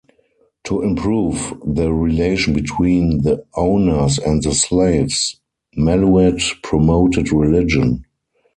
To improve the relation between the owners and the slaves, Malouet "promoted" religion.